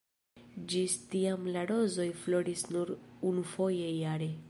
Ĝis tiam la rozoj floris nur unufoje jare.